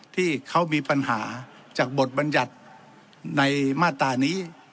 ที่เขามีปัญหาจากบทบัญญัติในมาตรานี้